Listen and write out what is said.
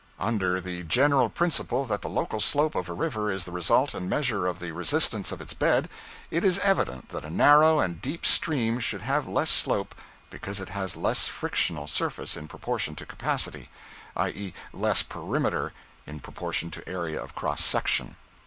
Under the general principle that the local slope of a river is the result and measure of the resistance of its bed, it is evident that a narrow and deep stream should have less slope, because it has less frictional surface in proportion to capacity; i.e., less perimeter in proportion to area of cross section.